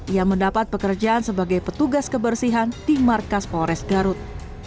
ia mendapat pekerjaan sebagai petugas kebersihan di markas polres garut